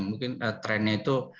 mungkin trennya itu